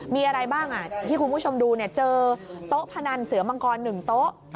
มีอะไรบ้างที่คุณผู้ชมดูเจอโต๊ะพนันเสือมังกร๑โต๊ะ